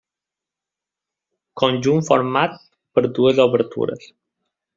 Conjunt format per dues obertures.